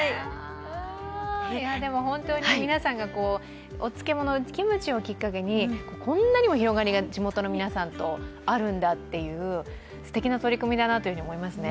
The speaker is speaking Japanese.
皆さんがお漬物、キムチをきっかけにこんなにも広がりが地元の皆さんとあるんだという、すてきな取り組みだなと思いますね。